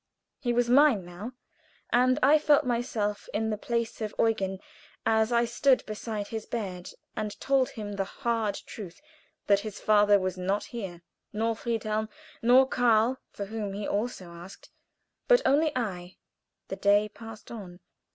He was mine now, and I felt myself in the place of Eugen, as I stood beside his bed and told him the hard truth that his father was not here, nor Friedhelm, nor Karl, for whom he also asked, but only I. The day passed on.